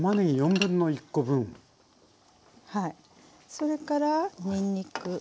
それからにんにく。